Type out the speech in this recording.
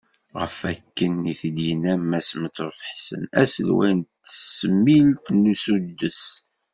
Ɣef wakken i t-id-yenna Mass Metref Ḥsen, aselway n tesmilt n usuddes.